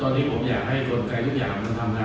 ตอนนี้ผมอยากให้กลไกทุกอย่างมันทำงาน